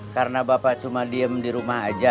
karena bapak cuma diem di rumah aja